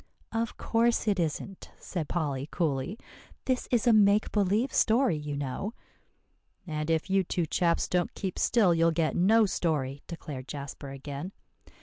"Of course it isn't," said Polly coolly; "this is a make believe story, you know." "And if you two chaps don't keep still, you'll get no story," declared Jasper again.